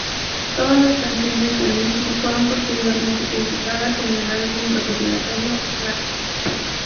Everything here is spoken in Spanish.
Todas las canciones del mismo fueron posteriormente publicadas en el álbum recopilatorio "Classics".